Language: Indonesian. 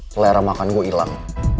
kelerah makan gue ilang